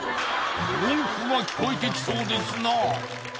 文句が聞こえてきそうですなあ